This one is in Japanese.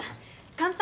乾杯！